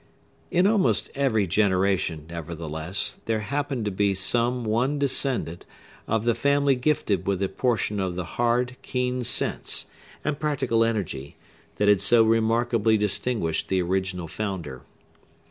In almost every generation, nevertheless, there happened to be some one descendant of the family gifted with a portion of the hard, keen sense, and practical energy, that had so remarkably distinguished the original founder.